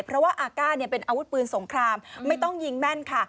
เพราะว่าอาก้าเนี่ยเป็นอาวุธปืนสงครามไม่ต้องยิงแม่นค่ะ